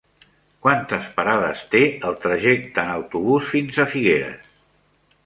Quantes parades té el trajecte en autobús fins a Figueres?